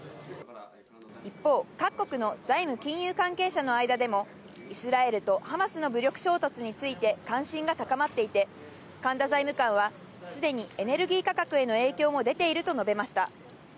一方、各国の財務・金融関係者の間でもイスラエルとハマスの武力衝突について、関心が高まっていて、神田財務官は、すでにエネルギー価格への影響も出ていると述べました。